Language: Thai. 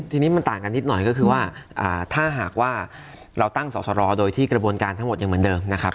ทีนี้มันต่างกันนิดหน่อยก็คือว่าถ้าหากว่าเราตั้งสอสรโดยที่กระบวนการทั้งหมดยังเหมือนเดิมนะครับ